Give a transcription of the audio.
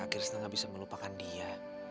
kak krishna gak bisa melupakan dia